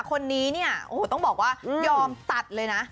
คนนี้เนี่ยโอ้โหต้องบอกว่ายอมตัดเลยนะ